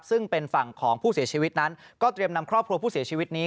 ซึ่งเป็นฝั่งของผู้เสียชีวิตนั้นก็เตรียมนำครอบครัวผู้เสียชีวิตนี้